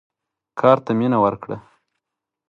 کار ته مینه ورکړه.